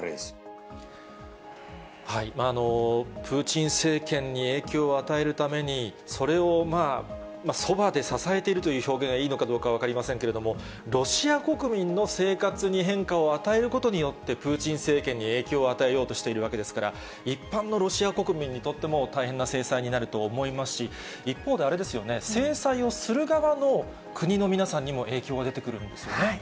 プーチン政権に影響を与えるために、それを、そばで支えているという表現がいいのかどうか分かりませんけれども、ロシア国民の生活に変化を与えることによって、プーチン政権に影響を与えようとしているわけですから、一般のロシア国民にとっても、大変な制裁になると思いますし、一方で、あれですよね、制裁をする側の国の皆さんにも、影響が出てくるんですよね。